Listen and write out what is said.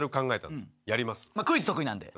クイズ得意なんで。